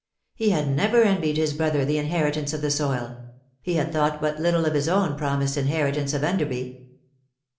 He had never envied his brother the inheritance of the soil ; he had thought but little of his own promised inheritance of Enderby.